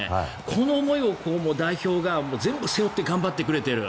この思いを代表が全部背負って頑張ってくれている。